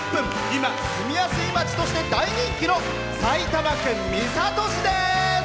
今、住みやすい街として大人気の埼玉県三郷市です。